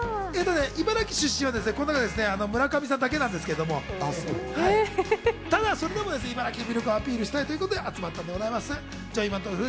茨城出身は村上さんだけなんですけれども、ただそれでも茨城をアピールしたいということで集まったんでございます。